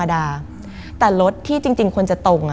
มันกลายเป็นรูปของคนที่กำลังขโมยคิ้วแล้วก็ร้องไห้อยู่